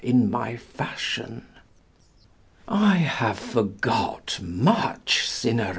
in my fashion. I have forgot much, Cynara!